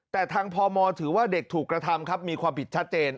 แต่ทางพมถือว่าเด็กถูกกระทำครับมีความผิดชัดเจน